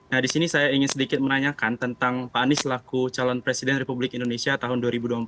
nah di sini saya ingin sedikit menanyakan tentang pak anies laku calon presiden republik indonesia tahun dua ribu dua puluh empat